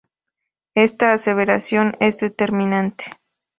Esta aseveración es determinante.